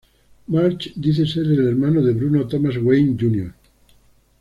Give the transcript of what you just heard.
March dice ser el hermano de Bruno Thomas Wayne Jr.